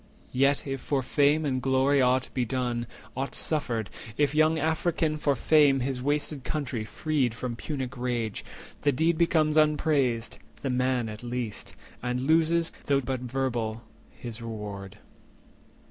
Yet, if for fame and glory aught be done, 100 Aught suffered—if young African for fame His wasted country freed from Punic rage— The deed becomes unpraised, the man at least, And loses, though but verbal, his reward.